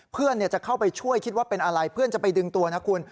เพื่อนจะเข้าไปช่วยคิดว่าเป็นอะไรเพื่อนจะไปดึงตัวนะคุณ